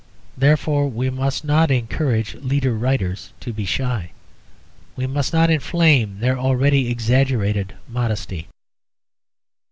Therefore we must not encourage leader writers to be shy; we must not inflame their already exaggerated modesty.